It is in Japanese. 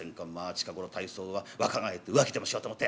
近頃大層若返って浮気でもしようと思って。